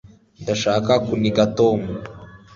ndashaka kuniga tom